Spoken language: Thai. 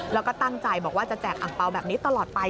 แล้วก็ตั้งใจบอกว่าจะแจกอังเปล่าแบบนี้ตลอดไป